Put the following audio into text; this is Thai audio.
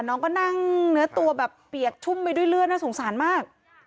น้องก็นั่งเนื้อตัวแบบเปียกชุ่มไปด้วยเลือดน่าสงสารมาก